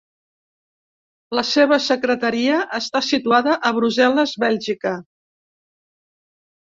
La seva Secretaria està situada a Brussel·les, Bèlgica.